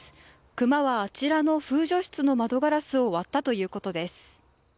クマは、あちらの風除室の窓ガラスを割ったということです。